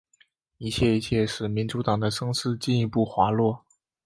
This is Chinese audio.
一切一切使民主党的声势进一步滑落。